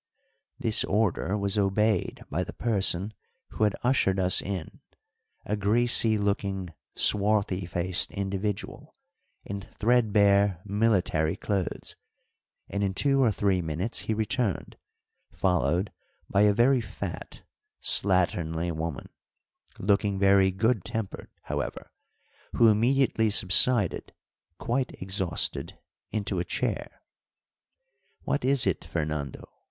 This order was obeyed by the person who had ushered us in, a greasy looking, swarthy faced individual, in threadbare military clothes; and in two or three minutes he returned, followed by a very fat, slatternly woman, looking very good tempered, however, who immediately subsided, quite exhausted, into a chair. "What is it, Fernando?"